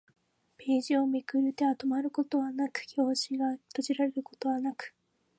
ページをめくる手は止まることはなく、表紙が閉じられることはなく